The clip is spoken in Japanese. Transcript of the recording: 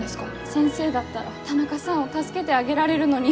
先生だったら田中さんを助けてあげられるのに。